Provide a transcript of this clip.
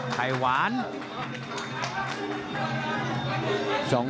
ไข่หวาน